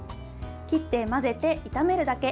切って混ぜて炒めるだけ。